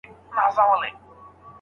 استاد وویل چي د مقالې جوړښت باید بدل سي.